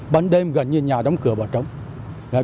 bán đêm gần như nhà đóng cửa bỏ trống